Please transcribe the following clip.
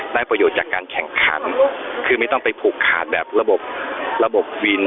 ประโยชน์จากการแข่งขันคือไม่ต้องไปผูกขาดแบบระบบระบบวิน